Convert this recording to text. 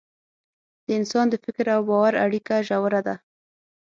د انسان د فکر او باور اړیکه ژوره ده.